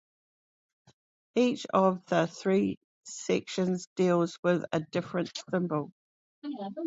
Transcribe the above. Each of the three sections deals with a different symbol.